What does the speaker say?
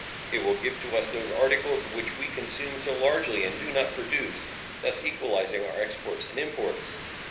It will give to us those articles which we consume so largely and do not produce, thus equalizing our exports and imports.